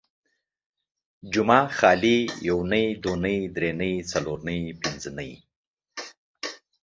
جمعه ، خالي ، يونۍ ،دونۍ ، دري نۍ، څلور نۍ، پنځه نۍ